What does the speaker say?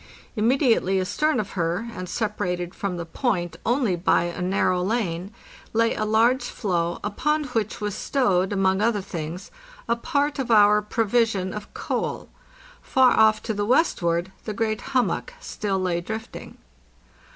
Immediately astern of her, and sepa rated from the point only by a narrow lane, lay a large floe, upon which was stowed, among other things, a part of our provision of coal. Far off to the westward the great hummock still lay drifting.